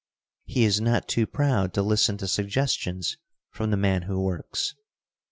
He is not to proud to listen to suggestions from the man who works.